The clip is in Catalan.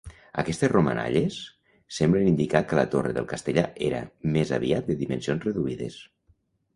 Aquestes romanalles semblen indicar que la torre del Castellar era més aviat de dimensions reduïdes.